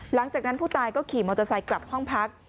หลังจากนั้นผู้ตายก็ขี่มอเตอร์ไซค์กลับห้องพัก